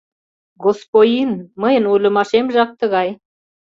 — Госпойин, мыйын ойлымашемжак тыгай...